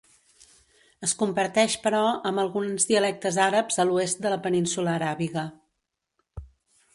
Es comparteix, però, amb alguns dialectes àrabs a l'oest de la Península aràbiga.